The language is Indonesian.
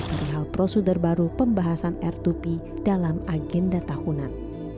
padahal prosedur baru pembahasan r dua p dalam agenda tahunan